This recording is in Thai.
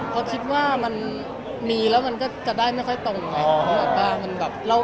เพราะมีแล้วมันจะได้ไม่โตัง